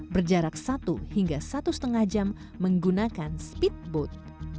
berjarak satu hingga satu lima jam menggunakan speedboat